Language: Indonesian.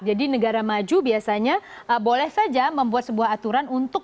jadi negara maju biasanya boleh saja membuat sebuah aturan untuk memperbaiki